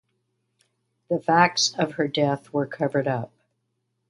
The facts of her death were covered up.